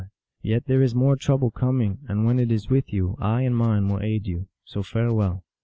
Yet there is more trouble coming, and when it is with you I and mine will aid you. So farewell."